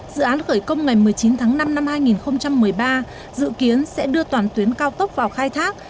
dự án khởi công ngày một mươi chín tháng năm năm hai nghìn một mươi ba dự kiến sẽ đưa toàn tuyến cao tốc vào khai thác